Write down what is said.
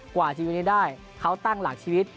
กว่าชีวิตนี้ได้เขาตั้งหลักชีวิต